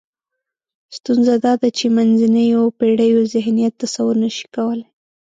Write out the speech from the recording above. ستونزه دا ده چې منځنیو پېړیو ذهنیت تصور نشي کولای.